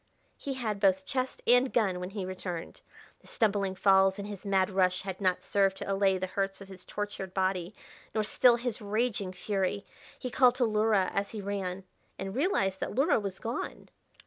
He had both chest and gun when he returned. The stumbling falls in his mad rush had not served to allay the hurts of his tortured body, nor still his raging fury. He called to Luhra as he ran and realized that Luhra was gone.